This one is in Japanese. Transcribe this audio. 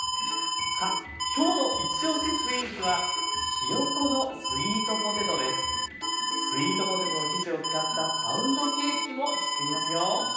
さあ今日の「いちおしスイーツ」はスイートポテトの生地を使ったパウンドケーキもつくりますよ。